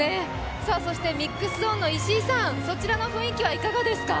ミックスゾーンの石井さん、そちらの雰囲気はいかがですか？